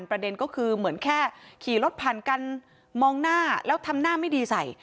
ประเด็นก็คือเหมือนแค่ขี่รถผ่านกันมองหน้าแล้วทำหน้าไม่ดีใส่